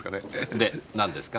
でなんですか？